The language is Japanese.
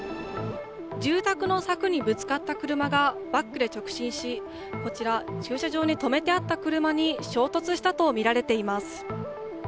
住宅の柵にぶつかった車がバックで直進し、こちら、駐車場に止めてあった車に衝突したと見られています。